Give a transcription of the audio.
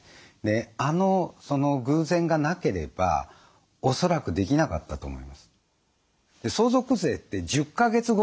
その偶然がなければおそらくできなかったと思います。